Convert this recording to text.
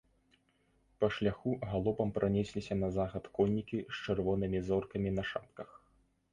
Па шляху галопам пранесліся на захад коннікі з чырвонымі зоркамі на шапках.